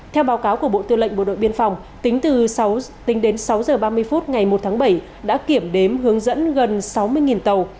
theo báo cáo của bộ tư lệnh bộ đội biên phòng tính từ sáu h ba mươi phút ngày một tháng bảy đã kiểm đếm hướng dẫn gần sáu mươi tàu